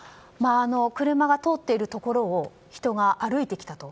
車が通っているところを人が歩いてきたと。